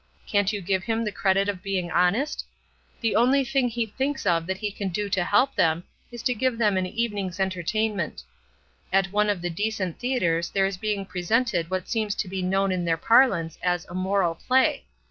Can't you give him the credit of being honest? The only thing he thinks of that he can do to help is to give them an evening's entertainment. At one of the decent theatres there is being presented what seems to be known in their parlance as a 'moral play!'